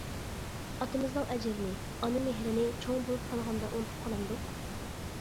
ئاتىمىزنىڭ ئەجرىنى، ئانا مېھرىنى، چوڭ بولۇپ قالغاندا ئۇنتۇپ قالامدۇق.